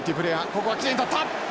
ここはきれいにとった！